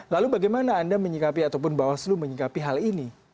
lalu bagaimana anda menyikapi ataupun bawaslu menyikapi hal ini